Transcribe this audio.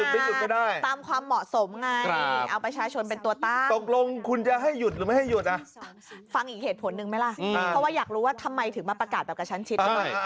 เพราะว่าอยากรู้ว่าทำไมถึงมาประกาศแบบกับฉันชิด